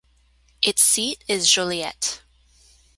Its seat is Joliette.